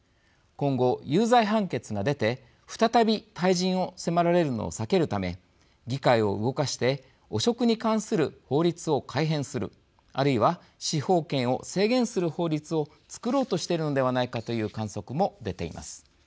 今後、有罪判決が出て再び退陣を迫られるのを避けるため議会を動かして汚職に関する法律を改変するあるいは司法権を制限する法律を作ろうとしているのではないかという観測も出ています。